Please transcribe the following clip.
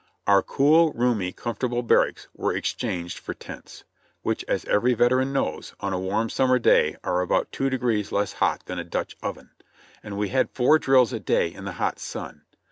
Our cool, roomy, comfortable barracks were exchanged for tents, which as every veteran knows, on a warm summer day are about two degrees less hot than a Dutch oven; and we had four drills a day in the hot sun.